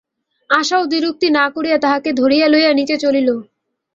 আশাও দ্বিরুক্তি না করিয়া তাঁহাকে ধরিয়া লইয়া নীচে চলিল।